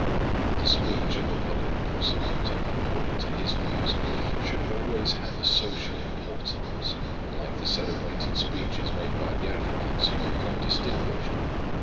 The speech of a public prosecutor, according to his views, should always have a social importance, like the celebrated speeches made by the advocates who have become distinguished.